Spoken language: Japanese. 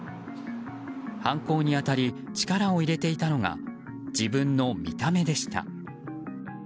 犯行に当たり力を入れていたのが自分の見た目でした。